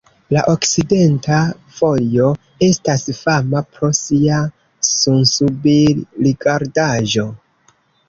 La okcidenta vojo estas fama pro sia sunsubir-rigardaĵo.